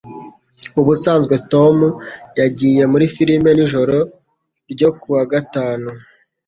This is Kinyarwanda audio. Ubusanzwe Tom yagiye muri firime nijoro ryo kuwa gatanu.